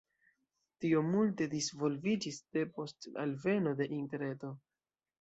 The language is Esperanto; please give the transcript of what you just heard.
Tio multe disvolviĝis depost alveno de interreto.